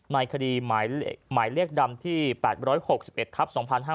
ในคดีหมายเลขดำที่๘๖๑ทัพ๒๕๕๙